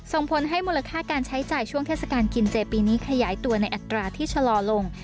ส่งผลให้มูลค่าการใช้จ่ายช่วงเทศกาลกินเจปีนี้ขยายตัวในอัตราที่ชะลอลง